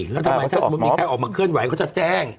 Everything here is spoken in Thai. แล้วทำไมถ้าสมมุติมีใครออกมาเคลื่อนไหวเขาจะแจ้ง